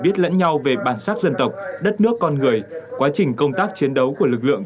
biết lẫn nhau về bản sắc dân tộc đất nước con người quá trình công tác chiến đấu của lực lượng